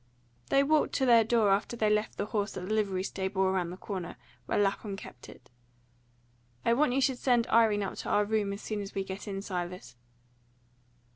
They walked to their door after they left the horse at the livery stable around the corner, where Lapham kept it. "I want you should send Irene up to our room as soon as we get in, Silas."